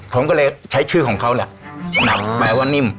ผมก็เลยใช้ชื่อของเขาแหละหนักแปลว่านิ่ม